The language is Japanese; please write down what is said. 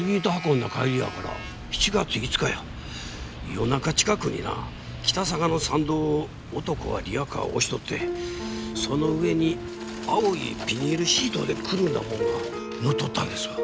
夜中近くにな北嵯峨の山道を男がリヤカーを押しとってその上に青いビニールシートでくるんだもんが載っとったんですわ。